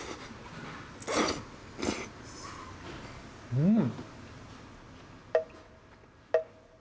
うん！